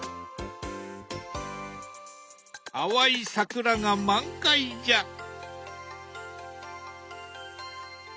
淡い桜が満開じゃ！